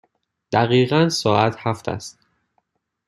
دقیقاً ساعت هفت است.